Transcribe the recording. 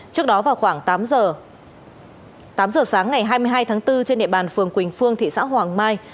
trước đó vào khoảng tám giờ tám giờ sáng ngày hai mươi hai tháng bốn trên địa bàn phường quỳnh phương thị xã hoàng mai